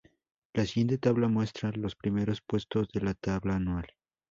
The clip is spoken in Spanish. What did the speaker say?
La siguiente tabla muestra los primeros puestos de la Tabla Anual.